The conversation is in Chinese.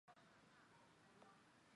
中华民国政府接受德国的军事援助。